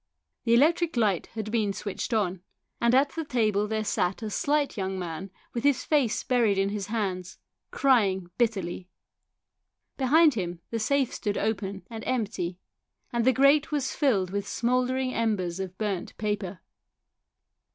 The electric light had been switched on, and at the table there sat a slight young man with his face buried in his hands, crying bitterly. Behind him the safe stood open and empty, and the grate was filled with smoulder ing embers of burnt paper.